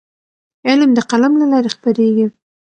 علم د قلم له لارې خپرېږي.